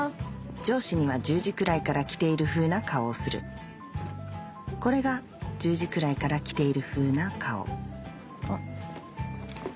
上司には１０時くらいから来ているふうな顔をするこれが１０時くらいから来ているふうな顔あっ。